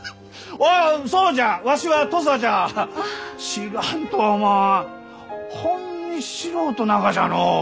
知らんとはおまんほんに素人ながじゃのう！